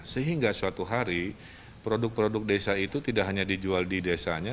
sehingga suatu hari produk produk desa itu tidak hanya dijual di desanya